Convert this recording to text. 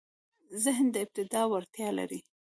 ذهن د ابداع وړتیا لري.